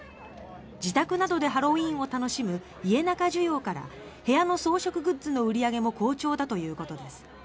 自宅などでハロウィーンを楽しむ家中需要から部屋の装飾グッズの売り上げも好調だということです。